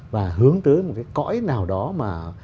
và hướng tới một cái cõi nào đó mà